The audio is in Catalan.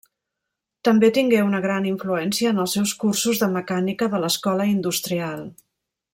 També tingué una gran influència en els seus cursos de mecànica de l'Escola Industrial.